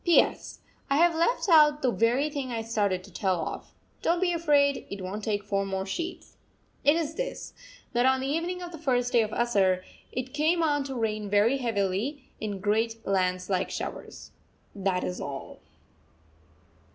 P.S. I have left out the very thing I started to tell of. Don't be afraid, it won't take four more sheets. It is this, that on the evening of the first day of Asarh it came on to rain very heavily, in great lance like showers. That is all.